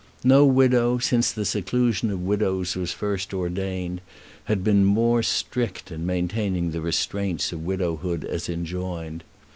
No widow, since the seclusion of widows was first ordained, had been more strict in maintaining the restraints of widowhood as enjoined.